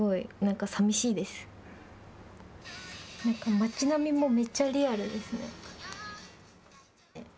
街並みもめっちゃリアルですね。